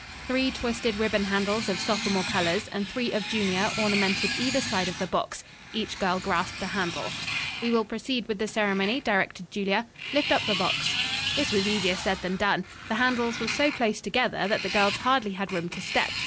Three twisted ribbon handles of sophomore colors and three of junior ornamented either side of the box. Each girl grasped a handle. "We will proceed with the ceremony," directed Julia. "Lift up the box." This was easier said than done. The handles were so close together that the girls hardly had room to step.